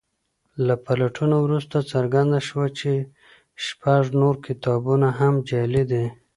له پلټنو وروسته څرګنده شوه چې شپږ نور کتابونه هم جعلي دي.